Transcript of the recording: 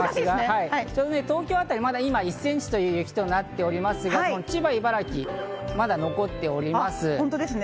東京あたりは１センチという雪になっておりますが、千葉、茨城、まだ残っております。